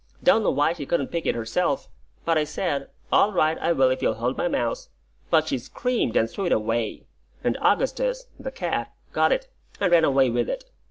Don't know why she couldn't pick it herself; but I said, 'All right, I will if you'll hold my mouse.' But she screamed, and threw it away; and Augustus (the cat) got it, and ran away with it.